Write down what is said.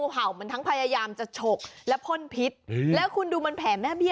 เจอแล้วเห็นไหมคุณดูดิ